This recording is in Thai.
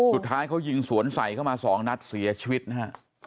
สุดท้ายเขายิงสวนใส่เข้ามาสองนัดเสียชีวิตนะฮะ